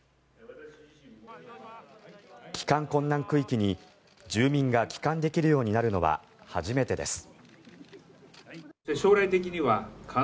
帰還困難区域に住民が帰還できるようになるのは初めてです。